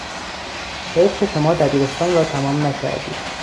حیف که شما دبیرستان را تمام نکردید!